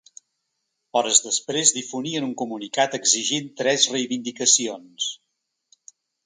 Hores després difonien un comunicat exigint tres reivindicacions.